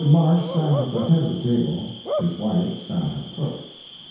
Marsh sat at the head of the table, his wife sat at the foot.